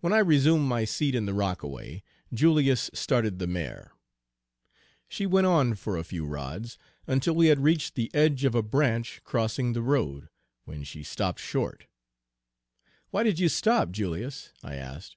When I resumed my seat in the rockaway, Julius started the mare. She went on for a few rods, until we had reached the edge of a branch crossing the road, when she stopped short. "Why did you stop, Julius?" I asked.